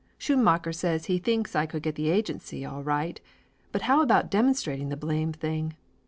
Schoonmacker says he thinks I could get the agency all right, but how about demonstrating the blame thing?